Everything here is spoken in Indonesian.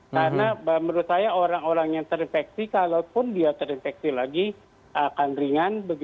karena menurut saya orang orang yang terinfeksi kalaupun dia terinfeksi lagi akan ringan